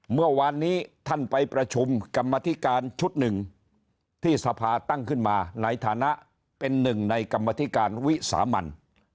เมื่อวานนี้ท่านไปประชุมกรรมธิการชุดหนึ่งที่สภาตั้งขึ้นมาในฐานะเป็นหนึ่งในกรรมธิการวิสามัน